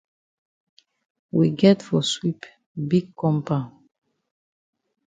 We get for sweep big compound.